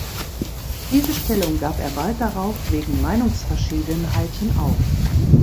Diese Stellung gab er bald darauf wegen Meinungsverschiedenheiten auf.